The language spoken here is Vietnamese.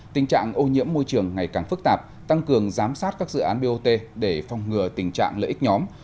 tình trạng ô nhiễm môi trường ngày càng phức tạp tăng cường giám sát các dự án bot để phong ngừa tình trạng lợi ích nhóm